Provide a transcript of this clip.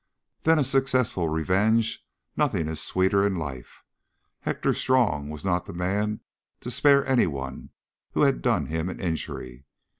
Than a successful revenge nothing is sweeter in life. Hector Strong was not the man to spare any one who had done him an injury.